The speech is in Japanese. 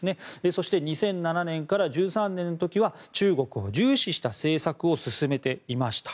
そして、２００７年から２０１３年の時は中国を重視した政策を進めていました。